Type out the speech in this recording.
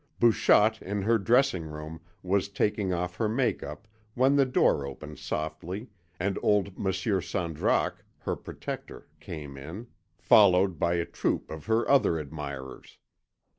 Bouchotte in her dressing room was taking off her make up, when the door opened softly and old Monsieur Sandraque, her protector, came in, followed by a troop of her other admirers.